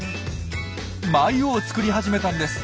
繭を作り始めたんです。